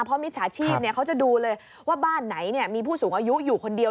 เพราะมิจฉาชีพเขาจะดูเลยว่าบ้านไหนมีผู้สูงอายุอยู่คนเดียว